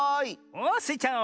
おおスイちゃん